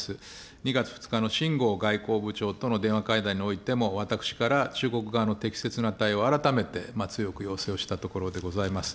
２月２日のしんごう外交部長との電話会談においても、私から中国側の適切な対話を改めて強く要請をしたところでございます。